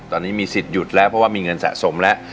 ตอนนี้มีสิทธิ์หยุดแล้วเพราะว่ามีเงินสะสมแล้ว